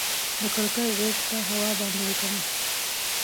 د کړکۍ غیږ ته هوا باندې ليکمه